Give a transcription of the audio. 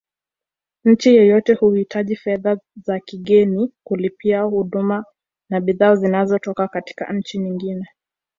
Nchi yoyote huhitaji fedha za kigeni kulipia huduma na bidhaa zinazotoka katika nchi nyingine